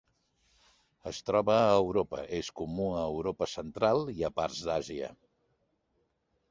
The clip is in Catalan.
Es troba a Europa, és comú a Europa central, i a parts d'Àsia.